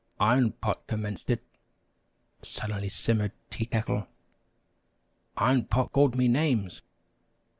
"Iron Pot commenced it!" sullenly simmered Tea Kettle. "Iron Pot called me names!"